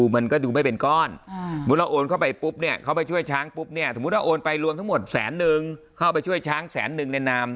มันก็ดูไม่เป็นก้อนมุติเราโอนเข้าไปปุ๊บเนี่ยเขาไปช่วยช้างปุ๊บเนี่ยสมมุติว่าโอนไปรวมทั้งหมดแสนนึงเข้าไปช่วยช้างแสนนึงในนาม